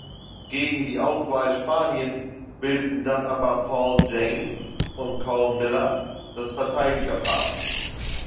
Gegen die Auswahl Spaniens bildeten dann aber Paul Janes und Karl Miller das Verteidiger-Paar.